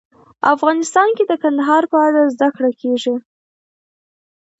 افغانستان کې د کندهار په اړه زده کړه کېږي.